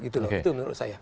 itu menurut saya